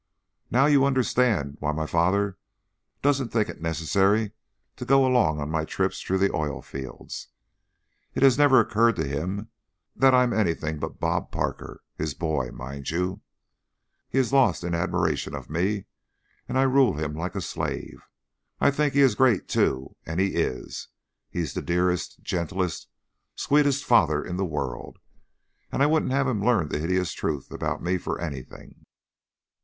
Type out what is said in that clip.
"Now you understand why my father doesn't think it necessary to go along on my trips through the oil fields. It has never occurred to him that I'm anything but 'Bob' Parker, his boy. Mind you, he is lost in admiration of me and I rule him like a slave. I think he is great, too, and he is. He is the dearest, gentlest, sweetest father in the world, and I wouldn't have him learn the hideous truth about me for anything."